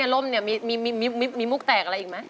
เลวมมีมุกแตกอะไรอีกไหม